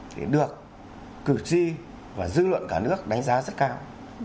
thì được cử tri và dư luận cả nước đánh giá rất cao